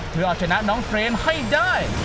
เพื่อเอาชนะน้องเฟรมให้ได้